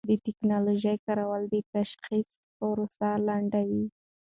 د ټېکنالوژۍ کارول د تشخیص پروسه لنډوي.